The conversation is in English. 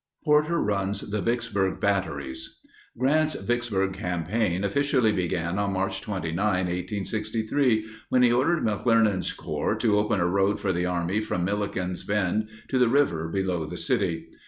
PORTER RUNS THE VICKSBURG BATTERIES. Grant's Vicksburg campaign officially began on March 29, 1863, when he ordered McClernand's Corps to open a road for the army from Milliken's Bend to the river below the city.